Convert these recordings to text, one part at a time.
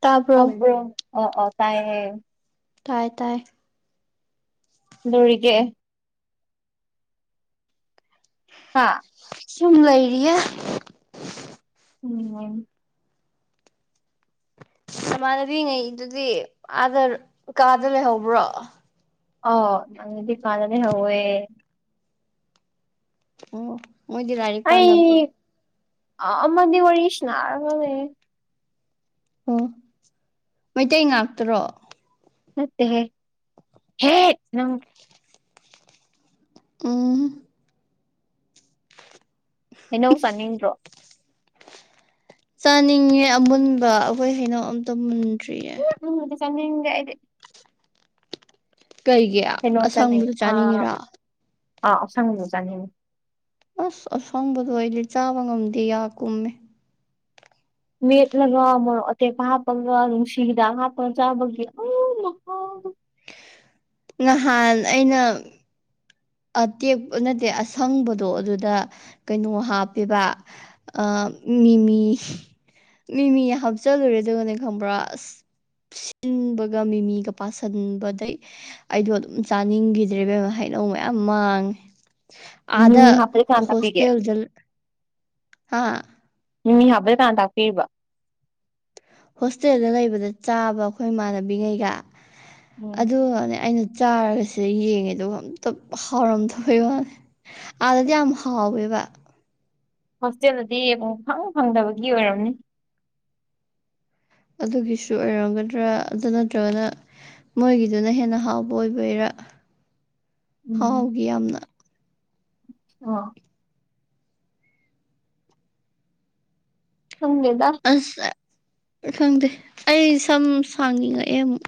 ꯇꯥꯕ꯭ꯔꯣ ꯇꯥꯔꯤꯕ꯭ꯔꯣ ꯑꯧ ꯑꯧ ꯇꯥꯏꯌꯦ ꯇꯥꯏ ꯇꯥꯏ ꯀꯩꯗꯧꯔꯤꯒꯦ ꯍꯥ ꯁꯨꯃ ꯂꯩꯔꯤꯌꯦ ꯎꯝ ꯃꯃꯥꯟꯅꯕꯤꯉꯩꯗꯨꯗꯤ ꯑꯥꯗ ꯀꯥꯗ ꯂꯩꯍꯧꯕ꯭ꯔꯣ ꯑꯧ ꯏꯃꯥꯟꯅꯕꯤ ꯀꯥꯗ ꯂꯩꯍꯧꯋꯦ ꯑꯣ ꯃꯣꯏꯗꯤ ꯂꯥꯏꯔꯤꯛ ꯄꯥꯅꯕ꯭ꯔꯣ ꯑꯥ ꯑꯃꯗꯤ ꯋꯥꯔꯤ ꯁꯥꯟꯅꯔꯒ ꯂꯩꯌꯦ ꯑꯣ ꯃꯩꯇꯩ ꯉꯥꯛꯇꯔꯣ ꯅꯠꯇꯦ ꯍꯦ ꯍꯦ ꯅꯪ [inaudible] ꯑ ꯍꯩꯅꯧ ꯆꯥꯅꯤꯡꯗ꯭ꯔꯣ ꯆꯥꯅꯤꯡꯉꯦ ꯑꯃꯨꯟꯕ ꯑꯩꯈꯣꯏ ꯍꯩꯅꯧ ꯑꯝꯇ ꯃꯨꯟꯗ꯭ꯔꯤꯌꯦ ꯍꯩꯅꯧ ꯃꯦꯠꯄ ꯆꯥꯅꯤꯡꯗꯦ ꯑꯩꯗꯤ ꯀꯩꯒꯤ ꯀꯩꯅꯣ ꯆꯥꯅꯤꯡꯑꯦ ꯑꯁꯪꯕꯗꯣ ꯑ ꯆꯥꯅꯤꯡꯉꯤꯔꯥ ꯑꯥ ꯑꯁꯡꯕꯤꯗꯣ ꯆꯥꯅꯤꯡꯉꯦ ꯑꯁ ꯑꯁꯪꯕꯗꯣ ꯑꯩꯗꯤ ꯆꯥꯕ ꯉꯝꯗꯦ ꯌꯥ ꯀꯨꯝꯃꯦ ꯃꯦꯠꯂꯒ ꯃꯣꯔꯣꯛ ꯑꯇꯦꯛꯄ ꯍꯥꯞꯄꯒ ꯅꯨꯡꯁꯤ ꯍꯤꯗꯥꯛ ꯍꯥꯞꯄꯒ ꯆꯥꯕꯒꯤ ꯑ ꯃꯍꯥꯎꯗꯣ ꯅꯍꯥꯟ ꯑꯩꯅ ꯑꯇꯦꯛꯄ ꯅꯠꯇꯦ ꯑꯁꯪꯕꯗꯣ ꯑꯗꯨꯗ ꯀꯩꯅꯣ ꯍꯥꯞꯄꯦꯕ ꯑ ꯃꯤꯃꯤ ꯃꯤꯃꯤ ꯍꯥꯞꯆꯜꯂꯨꯔꯦ ꯑꯗꯨꯒꯅꯦ ꯈꯪꯕ꯭ꯔꯥ ꯑꯁ ꯁꯤꯟꯕꯒ ꯃꯤꯃꯤꯒ ꯄꯥꯁꯟꯕꯗꯩ ꯑꯩꯗꯣ ꯑꯗꯨꯝ ꯆꯥꯅꯤꯡꯈꯤꯗ꯭ꯔꯦ ꯏꯕꯦꯝꯝ ꯍꯩꯅꯧ ꯃꯌꯥꯝ ꯃꯥꯡꯉꯦ ꯑꯥꯗ ꯃꯤꯃꯤ ꯍꯥꯞꯄꯗꯤ ꯀꯅꯥꯅ ꯇꯥꯛꯄꯤꯒꯦ ꯍꯣꯁꯇꯦꯜꯗ ꯍꯥ ꯃꯤꯃꯤ ꯍꯥꯞꯄꯗꯤ ꯀꯅꯥꯅ ꯇꯥꯛꯄꯤꯔꯤꯕ ꯍꯣꯁꯇꯦꯜꯗ ꯂꯩꯕꯗ ꯆꯥꯕ ꯑꯩꯈꯣꯏ ꯏꯃꯥꯟꯅꯕꯤꯒꯩꯒ ꯎꯝ ꯑꯗꯨꯒꯅꯦ ꯑꯩꯅ ꯆꯥꯔꯒ ꯁꯤꯗ ꯌꯦꯡꯉꯦ ꯑꯗꯨꯒ ꯑꯝꯇ ꯍꯥꯎꯔꯝꯗꯕꯩ ꯋꯥꯅꯦ ꯑꯥꯗꯗꯤ ꯌꯥꯝ ꯍꯥꯎꯋꯦꯕ ꯍꯣꯁꯇꯦꯜꯗꯗꯤ ꯄꯨꯡꯐꯪ ꯐꯪꯗꯕꯒꯤ ꯑꯣꯏꯔꯝꯅꯤ ꯑꯗꯨꯒꯤꯁꯨ ꯑꯣꯏꯔꯝꯒꯗ꯭ꯔꯥ ꯑꯗꯨ ꯅꯠꯇ꯭ꯔꯒꯅ ꯃꯣꯏꯒꯤꯗꯨꯅ ꯍꯦꯟꯅ ꯍꯥꯎꯕ ꯑꯣꯏꯕꯩꯔꯥ ꯍꯥꯎꯒꯤ ꯌꯥꯝꯅ ꯑ ꯈꯪꯗꯦꯗꯥ ꯑꯁ ꯈꯪꯗꯦ ꯑꯩ ꯁꯝ ꯁꯥꯡꯅꯤꯡꯉꯛꯑꯦ ꯑꯃꯨꯛ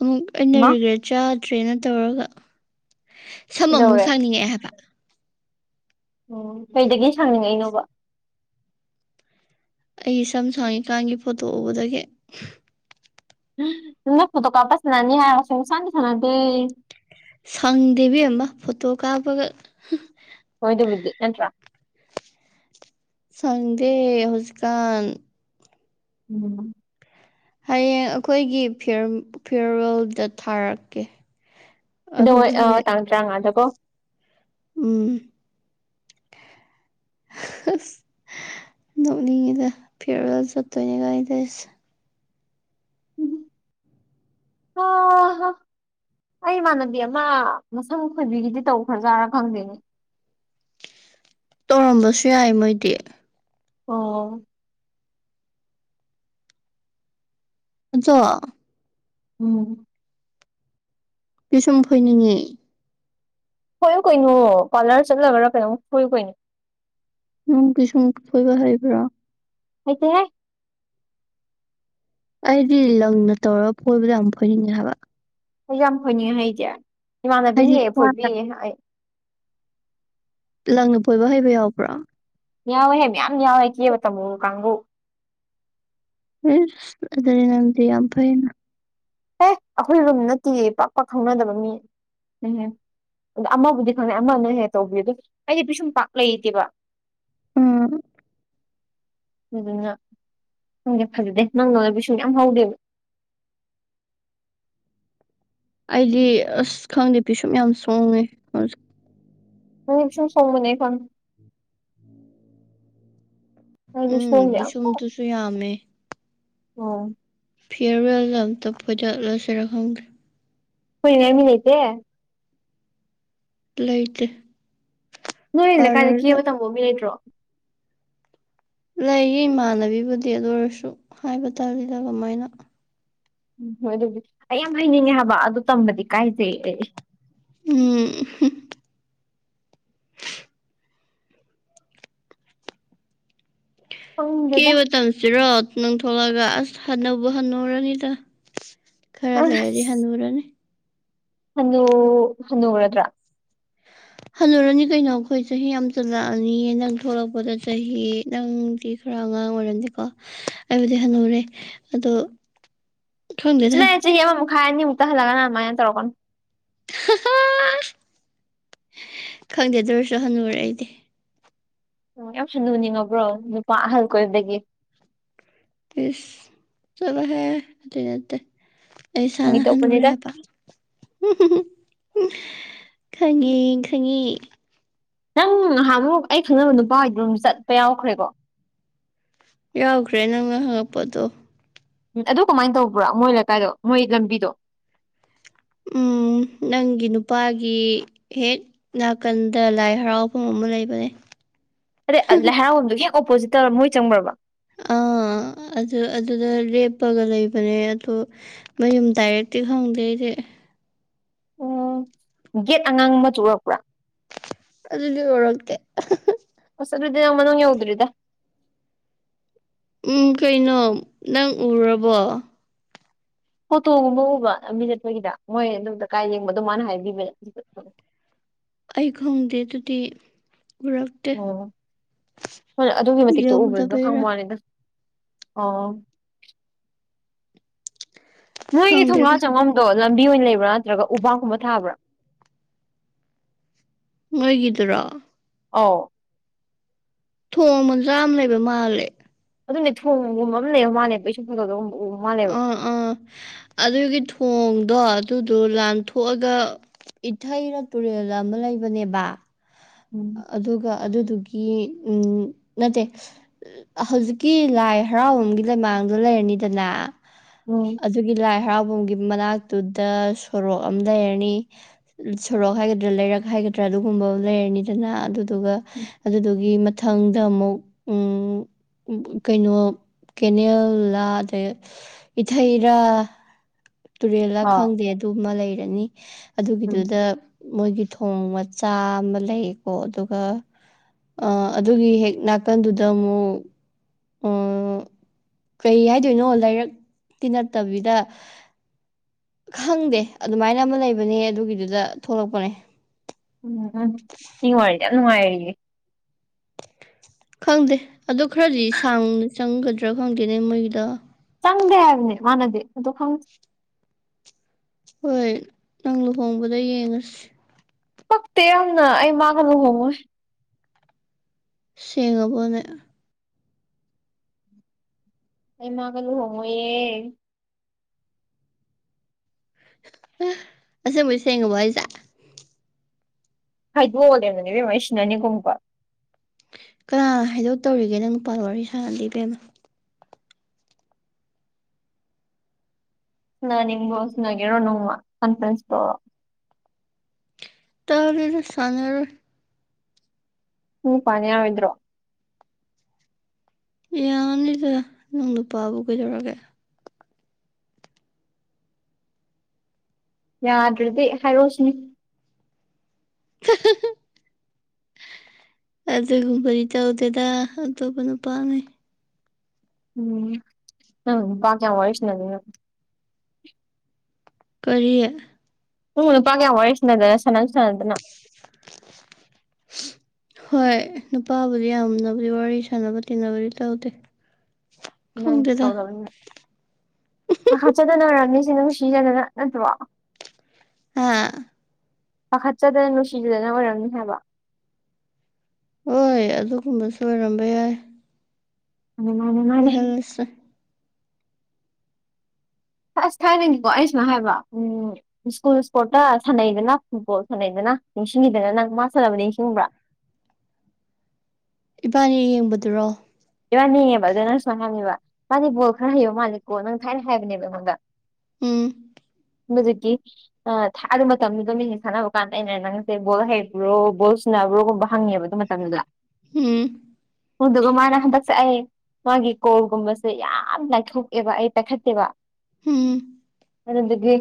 ꯑꯃꯨꯛ ꯑꯩꯅ ꯃꯥ ꯔꯤꯒ꯭ꯔꯦꯠ ꯆꯥꯗ꯭ꯔꯦꯅ ꯇꯧꯔꯒ ꯁꯝ ꯑꯃꯨꯛ ꯀꯩꯗꯧꯔꯦ ꯁꯥꯡꯅꯤꯡꯉꯛꯑꯦ ꯍꯥꯏꯕ ꯑꯣ ꯀꯩꯗꯒꯤ ꯁꯥꯡꯅꯤꯡꯉꯛꯏꯅꯣꯕ ꯑꯩꯒꯤ ꯁꯝ ꯁꯥꯡꯉꯤꯀꯥꯟꯒꯤ ꯐꯣꯇꯣ ꯎꯕꯗꯒꯤ ꯅꯛ ꯐꯣꯇꯣ ꯀꯥꯞꯄ ꯏꯁꯟꯅꯅꯤ ꯍꯥꯏ ꯁꯨꯛꯁꯥꯟꯗꯤ ꯁꯥꯟꯅꯗꯦ ꯁꯪꯗꯦ ꯏꯕꯦꯝꯃ ꯐꯣꯇꯣ ꯀꯥꯞꯄꯒ ꯍꯣꯏꯗꯨꯕꯨꯗꯤ ꯅꯠꯇ꯭ꯔꯥ ꯁꯪꯗꯦ ꯍꯧꯖꯤꯛꯀꯥꯟ ꯎꯝ ꯍꯌꯦꯡ ꯑꯈꯣꯏꯒꯤ ꯐꯤ ꯐꯤꯌꯔꯋꯦꯜꯗ ꯊꯥꯔꯛꯀꯦ ꯀꯩꯗꯣ ꯍꯣꯏ ꯑ ꯑꯗꯨꯗꯗꯤ ꯇꯥꯡ ꯇꯔꯥꯉꯥꯗꯀꯣ ꯎꯝ ꯅꯣꯛꯅꯤꯡꯉꯤꯗ ꯐꯤꯔꯣꯋꯜ ꯆꯠꯇꯣꯏꯅꯦꯒꯥꯏ ꯇꯧꯁꯦ ꯍꯥ ꯍꯥ ꯑꯩ ꯏꯃꯥꯟꯅꯕꯤ ꯑꯃ ꯃꯁꯝ ꯈꯣꯏꯕꯤꯒꯤꯗꯤ ꯇꯧꯈ꯭ꯔꯖꯥꯔꯥ ꯈꯪꯗꯦꯅꯦ ꯇꯧꯔꯝꯕꯁꯨ ꯌꯥꯏ ꯃꯣꯏꯗꯤ ꯑꯣ ꯑꯆꯣ ꯎꯝ ꯄꯤꯁꯨꯝ ꯐꯣꯏꯅꯤꯡꯉꯤ ꯐꯣꯏꯌꯨ ꯀꯩꯅꯣ ꯄꯥꯔꯂꯔ ꯆꯠꯂꯒꯔ ꯀꯩꯅꯣꯝ ꯐꯣꯏꯌꯨ ꯀꯩꯅꯣ ꯅ ꯪ ꯄꯤꯁꯨꯝ ꯐꯣꯏꯕ ꯍꯩꯕ꯭ꯔꯣ ꯍꯩꯇꯦꯍꯦ ꯑꯩꯗꯤ ꯂꯪꯅ ꯇꯧꯔꯒ ꯐꯣꯏꯕꯗ ꯌꯥꯝ ꯐꯣꯏꯅꯤꯡꯉꯦ ꯍꯥꯏꯕ ꯑꯩ ꯌꯥꯝ ꯐꯣꯏꯅꯤꯡꯉꯦ ꯍꯩꯖꯦ ꯏꯃꯥꯟꯅꯕꯤꯅ ꯍꯥꯏꯗꯤ ꯍꯦꯛ ꯏꯁꯥꯅ ꯐꯣꯏꯕꯤꯌꯦ ꯑꯩ ꯂꯪꯅ ꯄꯣꯏꯕ ꯍꯩꯕ ꯌꯥꯎꯕ꯭ꯔꯥ ꯌꯥꯎꯌꯦꯍꯦ ꯃꯌꯥꯝ ꯌꯥꯎꯌꯦꯁ ꯀꯦꯕ ꯇꯝꯃꯨꯕ ꯀꯥꯡꯒꯨ ꯏꯁ ꯑꯗꯨꯗꯤ ꯅꯪꯗꯤ ꯌꯥꯝ ꯐꯩꯅ ꯑꯦ ꯑꯈꯣꯏ ꯔꯨꯝ ꯅꯠꯇꯤꯌꯦ ꯄꯥꯛ ꯄꯥꯛ ꯈꯪꯅꯗꯕ ꯃꯤ ꯎꯝꯍꯨꯝ ꯑꯃꯕꯨꯗꯤ ꯈꯪꯅꯩ ꯑꯃꯅꯍꯦ ꯇꯧꯕꯤꯗꯤ ꯑꯩꯗꯤ ꯄꯤꯁꯨꯝ ꯄꯥꯛ ꯂꯩꯇꯦꯕ ꯎꯝ ꯑꯗꯨꯗꯨꯅ ꯈꯪꯗꯦ ꯐꯖꯗꯦ ꯅꯪꯗꯧꯅ ꯄꯤꯁꯨꯝ ꯌꯥꯝ ꯍꯧꯗꯦ ꯑꯩꯗꯤ ꯑꯁ ꯈꯪꯗꯦ ꯁꯨꯝ ꯌꯥꯝ ꯁꯣꯡꯉꯦ ꯍꯧꯖꯤꯛ [unintelligible] ꯑꯩꯗꯤ ꯎꯝ ꯁꯣꯡꯗꯦ ꯑꯝꯐꯥꯎ ꯕꯤꯁꯨꯝꯗꯨꯁꯨ ꯌꯥꯝꯃꯦ ꯑꯣ ꯐꯤꯌꯔꯋꯦꯜ ꯑꯝꯇ ꯐꯣꯏꯗꯠꯂꯁꯤꯔꯛ ꯍꯪꯗꯦ ꯐꯣꯏꯅꯉꯥꯏ ꯃꯤ ꯂꯩꯩꯇꯦ ꯂꯩꯇꯦ ꯅꯣꯏ ꯂꯩꯀꯥꯏꯗ ꯄꯥꯔꯂꯔꯗ ꯀꯦꯕ ꯇꯝꯕ ꯑꯃꯤ ꯂꯩꯇ꯭ꯔꯣ ꯂꯩꯌꯦ ꯏꯃꯥꯟꯅꯕꯤꯕꯨꯗꯤ ꯑꯗꯨ ꯑꯣꯏꯔꯁꯨ ꯍꯥꯏꯕ ꯇꯥꯜꯂꯤꯗ ꯀꯃꯥꯏꯅ ꯎꯝ ꯍꯣꯏ ꯑꯗꯨꯗꯤ ꯑꯩ ꯌꯥꯝ ꯍꯩꯅꯤꯡꯉꯦ ꯍꯥꯏꯕ ꯑꯗꯨ ꯇꯝꯕꯗꯤ ꯀꯥꯏꯖꯩ ꯑꯩ ꯎꯝ ꯈꯪꯗꯦꯗ ꯀꯦꯕ ꯃꯇꯝꯝꯁꯤꯔꯣ ꯅꯪ ꯊꯣꯛꯂꯛꯒ ꯑꯁ ꯍꯟꯅꯕꯨ ꯍꯟꯅꯨꯔꯅꯤꯗ ꯈꯔ ꯂꯩꯔꯗꯤ ꯍꯟꯅꯨꯔꯅꯤ ꯍꯟꯅꯨ ꯍꯟꯅꯨꯔꯗ꯭ꯔ ꯍꯜꯂꯨꯔꯅꯤ ꯀꯩꯅꯣ ꯈꯣꯏ ꯆꯍꯤ ꯌꯥꯝ ꯖꯜꯂꯛꯑꯅꯤꯌꯦ ꯅꯪ ꯊꯣꯛꯂꯛꯄꯗ ꯆꯍꯤ ꯅꯪꯗꯤ ꯈꯔ ꯑꯉꯥꯡ ꯑꯣꯏꯔꯝꯅꯤꯀꯣ ꯑꯩꯕꯨꯗꯤ ꯍꯟꯅꯨꯔꯦ ꯑꯗꯣ ꯈꯪꯗꯦꯗ ꯆꯠꯂꯍꯦ ꯆꯍꯤ ꯑꯃꯃꯨꯛ ꯈꯥꯏ ꯑꯅꯤꯃꯨꯛꯇ ꯍꯜꯂꯒꯅ ꯑꯗꯨꯃꯥꯏꯅ ꯇꯧꯔꯛꯀꯅꯨ ꯍꯥ ꯍꯥ ꯈꯪꯗꯦ ꯑꯗꯨ ꯑꯣꯏꯔꯁꯨ ꯍꯅꯨꯔꯦ ꯑꯩꯗꯤ ꯎꯝ ꯌꯥꯝ ꯊꯨꯅ ꯎꯅꯤꯡꯉꯕ꯭ꯔꯣ ꯅꯨꯄꯥ ꯑꯍꯟ ꯀꯣꯏꯕꯗꯒꯤ ꯏꯁ ꯆꯠꯂꯣꯍꯦ ꯑꯗꯨꯏ ꯅꯠꯇꯦ ꯑꯩ ꯐꯥꯒꯤ ꯏꯁꯥꯅ ꯍꯅꯨꯔꯦ ꯇꯧꯕꯅꯤꯗ ꯍꯥꯏꯕ ꯎꯝ ꯍꯨꯝ ꯍꯨꯝ ꯈꯪꯉꯤ ꯈꯪꯉꯤ ꯅꯪ ꯉꯍꯥꯟꯃꯨꯛ ꯑꯩ ꯈꯪꯅꯕ ꯅꯨꯄꯥ ꯍꯣꯏꯗꯥ ꯆꯠꯄ ꯌꯥꯎꯈ꯭ꯔꯦꯀꯣ ꯌꯥꯎꯈ꯭ꯔꯦ ꯅꯪꯅ ꯍꯪꯉꯛꯄꯗꯣ ꯑꯗꯨ ꯀꯃꯥꯏꯅ ꯇꯧꯕ꯭ꯔꯥ ꯃꯣꯏ ꯂꯩꯀꯥꯏꯗꯣ ꯃꯣꯏ ꯂꯝꯕꯤꯗꯣ ꯎꯝ ꯅꯪꯒꯤ ꯅꯨꯄꯥꯒꯤ ꯍꯦꯛ ꯅꯥꯀꯟꯗ ꯂꯥꯏ ꯍꯔꯥꯎꯐꯝ ꯑꯃ ꯂꯩꯕꯅꯦ ꯑꯗꯩ ꯂꯩꯍꯥꯎꯗꯨꯒꯤ ꯍꯦꯛ ꯑꯣꯄꯣꯖꯤꯠ ꯇꯔꯣ ꯃꯣꯏ ꯆꯪꯕ꯭ꯔꯕ ꯑꯥ ꯑꯗꯨ ꯑꯗꯨꯗ ꯂꯦꯞꯄꯒ ꯂꯩꯕꯅꯦ ꯑꯗꯣ ꯃꯌꯨꯝ ꯗꯥꯏꯔꯦꯛꯇꯤ ꯈꯪꯗꯦ ꯑꯩꯗꯤ ꯎꯝ ꯒꯦꯠ ꯑꯉꯥꯡꯕ ꯃꯆꯨ ꯎꯔꯛꯄ꯭ꯔꯥ ꯑꯗꯨꯗꯤ ꯎꯔꯛꯇꯦ ꯑꯁ ꯑꯗꯨꯗꯤ ꯅꯪ ꯃꯅꯨꯡ ꯌꯧꯗ꯭ꯔꯤꯗ ꯎꯝ ꯀꯩꯅꯣ ꯅꯪ ꯎꯔꯕꯣ ꯐꯣꯇꯣꯒꯨꯝꯕ ꯎꯕ ꯂꯝꯕꯤꯗ ꯑꯩꯈꯣꯏꯒꯤꯗ ꯃꯣꯏ ꯑꯗꯨ ꯂꯩꯀꯥꯏ ꯌꯦꯡꯕꯗꯣ ꯃꯥꯅ ꯍꯥꯏꯕꯤꯕ ꯑꯩ ꯈꯪꯗꯦ ꯑꯗꯨꯗꯤ ꯄꯨꯔꯛ ꯑꯣ ꯍꯣꯏ ꯑꯗꯨꯒꯤ ꯃꯇꯤꯛꯇꯣ ꯎꯕꯗꯨꯗ ꯌꯧꯗꯕꯩꯔꯥ ꯈꯪꯕꯋꯥꯅꯤꯗ ꯑꯣ ꯅꯣꯏꯒꯤ ꯈꯪꯗꯦꯗ ꯊꯣꯡꯒꯥꯟ ꯆꯪꯕꯝꯗꯣ ꯂꯝꯕꯤ ꯑꯣꯏꯅ ꯂꯩꯕ꯭ꯔꯥ ꯅꯠꯇ꯭ꯔꯒ ꯎꯕꯥꯛꯀꯨꯝꯕ ꯊꯥꯕ꯭ꯔꯥ ꯅꯣꯏꯒꯤꯗꯨꯔꯣ ꯑꯥꯎ ꯊꯣꯡ ꯃꯆꯥꯝꯃ ꯂꯩꯕ ꯃꯥꯜꯂꯦ ꯑꯗꯨꯅꯦ ꯊꯣꯡꯒꯨꯝꯕ ꯑꯃ ꯂꯩꯕ ꯃꯥꯜꯂꯦꯕ ꯏꯁꯨ ꯈꯒꯒꯨꯝꯕ ꯎꯕ ꯃꯥꯜꯂꯦꯕ ꯑꯥ ꯑꯥ ꯑꯗꯨꯒꯤ ꯊꯣꯡꯗꯣ ꯑꯗꯨꯗꯣ ꯂꯥꯟꯊꯣꯛꯑꯒ ꯏꯊꯩꯔ ꯇꯨꯔꯦꯜꯔ ꯑꯃ ꯂꯩꯕꯅꯦꯕ ꯎꯝ ꯑꯗꯨꯒ ꯑꯗꯨꯗꯨꯒꯤ ꯎꯝ ꯅꯠꯇꯦ ꯍꯧꯖꯤꯛꯀꯤ ꯂꯥꯏ ꯍꯔꯥꯎꯕꯨꯡꯒꯤ ꯂꯩꯃꯥꯡꯗꯣ ꯂꯩꯔꯅꯤꯗꯅ ꯎꯝ ꯑꯗꯨꯒꯤ ꯂꯥꯏ ꯍꯔꯥꯎꯕꯝꯒꯤ ꯃꯅꯥꯛꯇꯨꯗ ꯁꯣꯔꯣꯛ ꯑꯃ ꯂꯩꯔꯅꯤ ꯁꯣꯔꯣꯛ ꯍꯥꯏꯒꯗ꯭ꯔꯥ ꯂꯩꯔꯛ ꯍꯥꯏꯒꯗ꯭ꯔꯥ ꯑꯗꯨꯒꯨꯝꯕ ꯂꯩꯔꯅꯤꯗꯅ ꯑꯗꯨꯗꯨꯒ ꯑꯗꯨꯗꯨꯒꯤ ꯃꯊꯪꯗ ꯑꯃꯨꯛ ꯎꯝ ꯎ ꯀꯩꯅꯣ ꯀꯦꯅꯦꯜꯂ ꯑꯗꯩ ꯏꯊꯩꯔꯥ ꯇꯨꯔꯦꯜꯂ ꯑꯥ ꯈꯪꯗꯦ ꯑꯗꯨꯃ ꯂꯩꯔꯅꯤ ꯎꯝ ꯑꯗꯨꯒꯤꯗꯨꯗ ꯃꯣꯏꯒꯤ ꯊꯣꯡ ꯃꯆꯥ ꯑꯃ ꯂꯩꯀꯣ ꯑꯗꯨꯒ ꯑ ꯑꯗꯨꯒꯤ ꯍꯦꯛ ꯅꯥꯀꯟꯗꯨꯗ ꯑꯃꯨꯛ ꯑꯣ ꯀꯩ ꯍꯥꯏꯗꯣꯏꯅꯣ ꯂꯥꯏꯔꯛꯇꯤ ꯅꯠꯇꯕꯤꯗ ꯈꯪꯗꯦ ꯑꯗꯨꯃꯥꯏꯅ ꯑꯃ ꯂꯩꯕꯅꯦ ꯑꯗꯨꯒꯤꯗꯨꯗ ꯊꯣꯛꯂꯛꯄꯅꯦ ꯎꯝ ꯎꯝ ꯁꯤ ꯋꯤꯔꯤꯁꯦ ꯌꯥꯝ ꯅꯨꯡꯉꯥꯏꯔꯤꯌꯦ ꯈꯪꯗꯦ ꯑꯗꯣ ꯈꯔꯗꯤ ꯁꯥꯡꯅ ꯆꯪꯒꯗ꯭ꯔꯥ ꯈꯪꯗꯦꯅꯦ ꯃꯣꯏꯒꯤꯗꯣ ꯆꯪꯗꯦ ꯍꯥꯏꯕꯅꯦ ꯃꯥꯅꯗꯤ ꯑꯗꯣ ꯈꯪ ꯍꯣꯏ ꯅꯪ ꯂꯨꯍꯣꯡꯕꯗ ꯌꯦꯡꯉꯁꯤ ꯄꯛꯇꯦ ꯌꯥꯝꯅ ꯑꯩ ꯃꯥꯒ ꯂꯨꯍꯣꯡꯉꯣꯏ ꯁꯦꯡꯉꯕꯣꯅꯦ꯫ ꯑꯩ ꯃꯥꯒ ꯂꯨꯍꯣꯡꯉꯣꯏꯌꯦ꯫ ꯑꯁꯦꯡꯕꯩ ꯁꯦꯡꯉꯕꫭ ꯍꯥꯏꯁꯦ꯫ ꯍꯥꯏꯗꯣꯛꯑ ꯂꯩꯔꯝꯗꯅ ꯏꯕꯦꯝꯃ ꯑꯩ ꯁꯤꯅꯅꯤꯀꯣ ꯑꯃꯨꯛꯀ꯫ ꯀꯅꯥ ꯍꯥꯏꯗꯣꯛꯇꯧꯔꯤꯒꯦ ꯅꯪ ꯅꯨꯄꯥꯜ ꯋꯥꯔꯤ ꯁꯥꯅꯗꯦ ꯏꯕꯦꯝꯃ꯫ ꯁꯅ ꯅꯤꯡꯕ꯭ꯔꫭ ꯁꯅꯒꯦꯔꯣ ꯅꯣꯡꯃ ꯀꯟꯐ꯭ꯔꯦꯟꯁꯇꯣ꯫ ꯇꯜꯂꯤꯗ ꯁꯥꯟꯅꯔꫭꯏ꯫ ꯅꯪ ꯅꯨꯄꯥꯅ ꯌꯥꯔꯣꯏꯗ꯭ꯔꯣ꯫ ꯌꯥꯅꯤꯗ ꯅꯪ ꯅꯨꯄꯥꯕꯨ ꯀꯩꯗꯧꯔꯒꯦ꯫ ꯌꯥꯗ꯭ꯔꯗꯤ ꯍꯥꯏꯔꯣꯁꯤꯅꯤ꯫ [unintelligible] ꯑꯗꯨꯒꯨꯝꯕꯗꯤ ꯇꯧꯗꯦꯗ ꯑꯇꯣꯞꯄ ꯅꯨꯄꯥꯉꯩ꯫ ꯎꯝ ꯎꯝ ꯅꯪꯅ ꯅꯨꯄꯥ ꯀꯌꯥ ꯋꯥꯔꯤ ꯁꯥꯅ ꯗꯣꯏꯅꯣ꯫ ꯀꯔꯤ꯫ ꯅꯪꯕꯨ ꯅꯨꯄꯥ ꯀꯌꯥꯝ ꯋꯥꯔꯤ ꯁꯟꯅꯗꯣꯏꯅꯣ ꯁꯥꯟꯅꯁꯨ ꯁꯥꯟꯅꯗꯅ꯫ [inaudible] ꯍꯣꯏ ꯅꯨꯄꯥꯕꯨꯗꯤ ꯌꯥꯝꯕꯨꯗꯤ ꯋꯥꯔꯤ ꯁꯥꯟꯅꯕ ꯇꯤꯟꯅꯕꯗꯤ ꯇꯧꯗꯦ꯫ ꯅꯪ ꯈꯪꯗꯦꯗ ꯇꯧꯗꯧꯅꯤꯅꯦ ꯍꯥꯆꯗꯅꯔꯝꯅꯤꯁꯦ ꯅꯨꯡ ꯁꯤꯖꯗꯅ ꯅꯠꯇ꯭ꯔꯣ꯫ ꯍꯥꯥ꯫ ꯄꯥꯈꯠꯆꯗꯅ ꯅꯨꯡꯁꯤꯖꯗꯅ ꯑꯣꯏꯔꯝꯅꯤ ꯍꯥꯏꯕ꯫ ꯍꯣꯏ ꯑꯗꯨꯒꯨꯝꯕꯁꯨ ꯑꯣꯏꯔꯝꯕ ꯌꯥꯏ꯫ ꯑ ꯃꯥꯥꯟꯅꯦ ꯃꯥꯥꯟꯅꯦ꯫ [unintelligible] ꯑꯁ ꯊꯥꯏꯅꯗꯤꯀꯣ ꯑꯩꯅ ꯁꯨꯃꯥꯏꯅ ꯍꯥꯏꯕ ꯎꯝ ꯁ꯭ꯀꯨꯜ ꯏꯁꯄꯣꯔꯠꯇ ꯁꯥꯟꯅꯩꯗꯅ ꯐꯨꯠꯕꯣꯜ ꯁꯥꯟꯅꯩꯗꯅ ꯅꯤꯡꯁꯤꯡꯈꯤꯗꯅ ꯅꯪ ꯃꯥ ꯁꯥꯟꯅꯕ ꯅꯤꯡꯁꯤꯡꯕ꯭ꯔꯥ꯫ ꯏꯕꯥꯅꯤ ꯌꯦꯡꯕꯗꯨꯔꯣ꯫ ꯏꯕꯥꯅꯤꯉꯕ ꯑꯗꯣ ꯅꯪ ꯁꯨꯃꯥꯏꯅꯝꯃꯤꯕ ꯃꯥꯗꯤ ꯕꯣꯜ ꯈꯔ ꯍꯩꯌꯣ ꯃꯥꯂꯦꯀꯣ ꯅꯪ ꯊꯥꯏꯅ ꯍꯥꯏꯕꯅꯦꯕ ꯅꯪꯉꯣꯟꯗ꯫ ꯎꯝ꯫ [unintelligible] ꯑ ꯊꯥꯢꯅ ꯃꯇꯝꯗꯨꯗ ꯃꯦꯁꯦꯁ ꯊꯥꯟꯅꯕ ꯀꯥꯟꯗ ꯑꯩꯅ ꯅꯪꯁꯦ ꯕꯣꯜ ꯍꯩꯕ꯭ꯔꯣ ꯕꯣꯜ ꯁꯥꯟꯅꯕ꯭ꯔꯣꯒꯨꯝꯕ ꯍꯪꯉꯦꯕ ꯑꯗꯨ ꯃꯥ ꯇꯝꯗꯨꯗ꯫ ꯎꯝ꯫ ꯑꯗꯨꯗꯨꯒ ꯃꯥꯅ ꯍꯟꯗꯛ ꯁꯦ ꯑꯩ ꯃꯥꯒꯤ ꯀꯣꯜꯒꯨꯝꯕꯁꯦ ꯌꯥꯝ ꯂꯥꯏꯊꯣꯛꯑꯦꯕ ꯑꯩ ꯄꯥꯏꯈꯠꯇꯦꯕ꯫ ꯎꯝ꯫ ꯑꯗꯨꯗꯨꯒꯤ꯫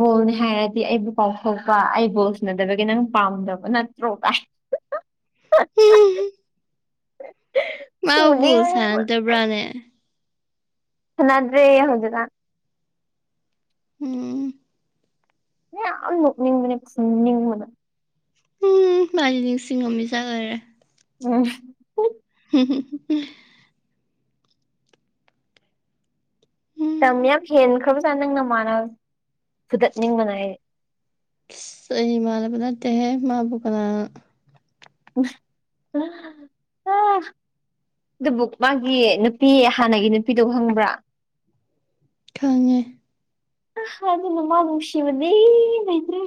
ꯕꯣꯜꯅꯤ ꯍꯥꯏꯔꯗꯤ ꯑꯩꯕꯨ ꯀꯥꯎꯊꯣꯛꯄ ꯑꯩ ꯕꯣꯜ ꯁꯟꯅꯗꯕꯒꯤ ꯅꯪ ꯄꯥꯝꯗꯕ ꯅꯠꯇ꯭ꯔꯣ ꯀꯥꯢ꯫ ꯃꯥ ꯕꯣꯜ ꯐꯨꯅꯤꯡꯕꯅ ꯁꯥꯟꯅꯗꯕ꯭ꯔꯥꯅꯦ꯫ ꯁꯥꯟꯅꯗ꯭ꯔꯦꯌꯦ ꯍꯧꯖꯤꯛꯀꯥꯟ꯫ ꯎꯝ꯫ ꯌꯥꯝ ꯅꯣꯛꯅꯤꯡꯕꯅꯦ ꯐꯨꯅꯤꯡꯕꯅ꯫ ꯎꯝ ꯃꯥꯗꯤ ꯅꯤꯡꯁꯤꯡꯉꯝꯃꯤꯖꯥꯠ ꯑꯣꯏꯔꯦ꯫ ꯎꯝ꫰꫰ [unintelligible] ꯇꯝ ꯎꯝ ꯌꯥꯝ ꯍꯦꯟꯈ꯭ꯔꯕꯖꯥꯠ ꯅꯪ ꯅꯃꯥꯟꯅꯕ ꯐꯨꯗꯠꯅꯤꯡꯕꯅ ꯑꯩ꯫ ꯢꯁ ꯑꯩ ꯏꯃꯥꯟꯅꯕ ꯅꯠꯇꯦꯍꯦ ꯃꯥꯕꯨ ꯀꯅꯥꯅ [unintelligible] ꯑ ꯗꯨꯕꯨꯛ ꯃꯥꯒꯤ ꯅꯨꯄꯤ ꯍꯥꯟꯅꯒꯤ ꯅꯨꯄꯤꯗꯣ ꯈꯪꯕ꯭ꯔꯥ ꯈꯪꯉꯦ ꯑ ꯑꯗꯨꯅ ꯃꯥꯕꯨ ꯅꯨꯡꯁꯤꯕꯗꯤ ꯂꯩꯇ꯭ꯔꯦ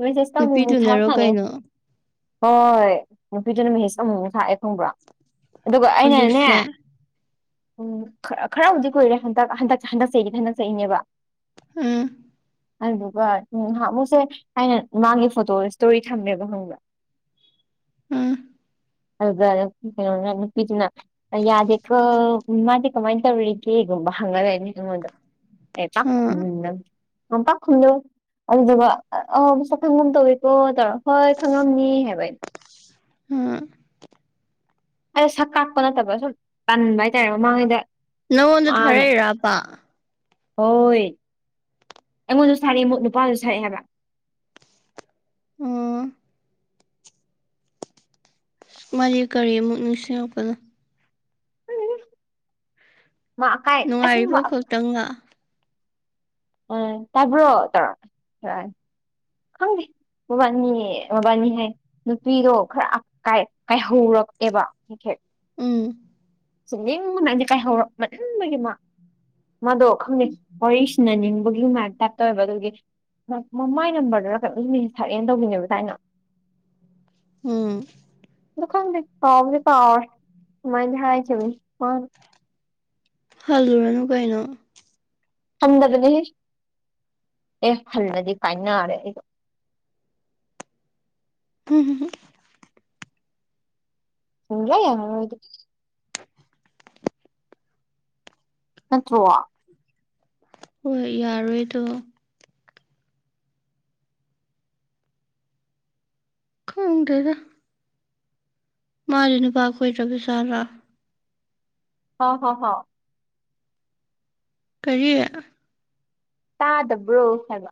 ꯃꯦꯁꯦꯁꯇ ꯑꯃꯨꯛ ꯃꯨꯛ ꯊꯥꯕ ꯅꯨꯄꯤꯗꯨꯅꯔꯣ ꯁꯥꯟꯅꯩ ꯀꯩꯅꯣ ꯍꯣꯏ ꯅꯨꯄꯤꯗꯨꯅ ꯃꯦꯁꯦꯁ ꯑꯃꯨꯃꯨꯛ ꯊꯥꯔꯛꯑꯦ ꯈꯪꯕ꯭ꯔꯣ ꯑꯗꯨꯒ ꯑꯩꯅꯅꯦ ꯍꯧꯖꯤꯛꯁꯦ ꯎꯝ ꯈ ꯈꯔꯕꯨꯗꯤ ꯀꯨꯏꯔꯦ ꯍꯟꯗꯛ ꯍꯟꯗꯛ ꯍꯟꯗꯛꯆꯍꯤꯒꯤꯗꯤ ꯍꯟꯗꯛ ꯆꯍꯤꯒꯤꯅꯦꯕ ꯎꯝ ꯑꯗꯨꯗꯨꯒ ꯅꯍꯥꯟꯃꯨꯛꯁꯦ ꯑꯩꯅ ꯃꯥꯒꯤ ꯐꯣꯇꯣ ꯁ꯭ꯇꯣꯔꯤ ꯊꯝꯃꯦꯕ ꯈꯪꯕ꯭ꯔꯥ [inaudible] ꯎꯝ ꯑꯗꯨꯗ ꯀꯩꯅꯣꯅ ꯅꯨꯄꯤꯗꯨꯅ ꯑ ꯌꯥꯗꯦꯀꯣ ꯃꯥꯗꯤ ꯀꯃꯥꯏꯅ ꯇꯧꯔꯤꯒꯦꯒꯨꯝꯕ ꯍꯪꯉ ꯂꯩꯔꯅꯤ ꯗꯨꯝ ꯑꯩꯉꯣꯟꯗ ꯑꯩ ꯄꯥꯛ ꯍꯥ ꯈꯨꯝꯗꯝꯅꯤ ꯌꯥꯝ ꯄꯥꯛꯈꯨꯅꯣ ꯑꯗꯨꯗꯨꯒ ꯑ ꯃꯁꯛ ꯈꯪꯒꯨꯝ ꯇꯧꯋꯤꯀꯣ ꯇꯧꯔ ꯍꯣꯏ ꯈꯪꯉꯝꯅꯤ ꯍꯥꯏꯕ ꯑꯩꯅ ꯍꯥ ꯑꯩꯗꯣ ꯁꯛ ꯀꯥꯛꯄ ꯅꯠꯇꯕ ꯁꯨꯝ ꯇꯟꯕ ꯍꯥꯏꯇꯥꯔꯦ ꯃꯃꯥꯡꯉꯩꯗ ꯅꯪꯉꯣꯟꯗ ꯃꯥꯅ ꯊꯥꯔꯩꯔꯕ ꯍꯣꯏ ꯑꯩꯉꯣꯟꯗꯁꯨ ꯊꯥꯔꯛꯑꯦ ꯅꯨꯄꯥꯗꯨꯗꯁꯨ ꯊꯥꯔꯛꯑꯦ ꯍꯥꯏꯕ ꯑꯣ ꯃꯥꯗꯤ ꯀꯔꯤꯃꯨꯛ ꯅꯤꯡꯁꯤꯡꯉꯛꯄꯅꯣ ꯃꯥ ꯑꯀꯥꯏ ꯅꯨꯡꯉꯥꯏꯔꯤꯕꯣ ꯑꯁꯦꯡꯕ ꯈꯛꯇꯪꯂ ꯑꯝ ꯇꯥꯕ꯭ꯔꯣ ꯇꯧꯔ ꯇꯧꯔꯛꯑꯅꯤ ꯈꯪꯗꯦ ꯃꯕꯥꯅꯤꯅꯦ ꯃꯕꯥꯅꯤꯍꯩ ꯅꯨꯄꯤꯗꯣ ꯈꯔ ꯀꯥꯏ ꯀꯥꯏꯍꯧꯔꯛꯑꯦꯕ ꯍꯦꯛ ꯍꯦꯛ ꯎꯝ ꯆꯩꯅꯤꯡꯕꯅ ꯑꯩꯗꯤ ꯀꯥꯏꯍꯧꯔꯛꯃꯟꯕꯒꯤ ꯃꯥ ꯃꯥꯗꯣ ꯈꯪꯗꯦ ꯋꯥꯔꯤ ꯁꯥꯟꯅꯅꯤꯡꯕꯒꯤ ꯃꯥꯢꯞ ꯇꯥꯢꯞ ꯇꯧꯋꯦꯕ ꯑꯗꯨꯒꯤ ꯃ ꯃꯃꯥꯏ ꯅꯝꯕꯔꯗꯔ ꯀꯩꯅꯣꯝ ꯃꯦꯁꯦꯁ ꯊꯥꯔꯛꯑꯦꯅ ꯇꯧꯒꯤꯝꯅꯦꯕ ꯊꯥꯏꯅ ꯎꯝ ꯑꯗꯨ ꯈꯪꯗꯦ ꯀꯥꯎꯗꯤ ꯀꯥꯎꯔꯦ ꯑꯗꯨꯃꯥꯏꯗꯤ ꯍꯥꯢꯈꯤꯕꯅꯤ ꯃꯥꯅ ꯍꯜꯂꯨꯔꯅꯨ ꯀꯩꯅꯣ ꯍꯟꯗꯕꯅꯦꯍ ꯑꯦ ꯍꯜꯂꯗꯤ ꯀꯥꯏꯅꯔꯦ ꯑꯩꯗꯣ ꯎꯝ ꯎꯂ ꯌꯥꯗꯤ ꯅꯠꯇ꯭ꯔꯣ ꯍꯣꯏ ꯌꯥꯔꯣꯏꯗꯣ ꯎꯗꯗ ꯃꯥꯗꯤ ꯅꯨꯄꯥ ꯈꯣꯏꯗ꯭ꯔꯕ ꯖꯥꯂꯥ ꯍ ꯍꯣ ꯍꯣ ꯀꯔꯤ ꯇꯥꯗꯕ꯭ꯔꯣ ꯍꯥꯏꯕ